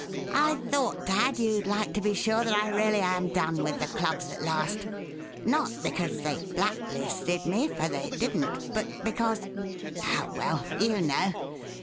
I thought, dad, you'd like to be sure that I really am done with the clubs at last. Not because they blacklisted me for they didn't but because oh well, you know.